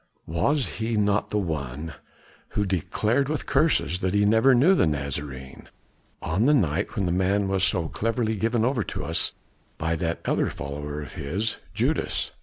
"Was he not the one who declared with curses that he never knew the Nazarene, on the night when the man was so cleverly given over to us by that other follower of his, Judas?"